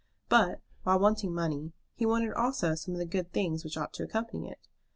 But, while wanting money, he wanted also some of the good things which ought to accompany it.